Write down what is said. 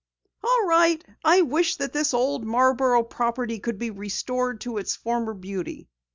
"All right, I wish that this old Marborough property could be restored to its former beauty."